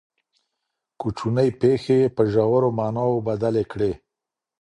کوچنۍ پېښې یې په ژورو معناوو بدلې کړې.